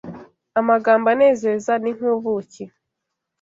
Amagambo anezeza ni nk’ubuki